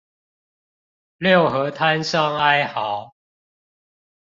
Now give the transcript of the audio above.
六合攤商哀號